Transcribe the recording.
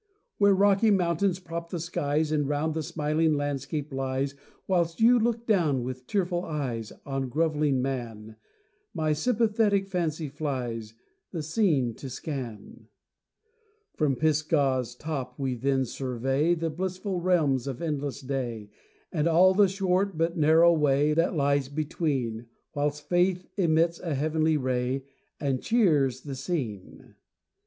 Where rocky mountains prop the skies, And round the smiling landscape lies, Whilst you look down with tearful eyes On grovelling man, My sympathetic fancy flies, The scene to scan. From Pisgah's top we then survey The blissful realms of endless day, And all the short but narrow way That lies between, Whilst Faith emits a heavenly ray, And cheers the scene.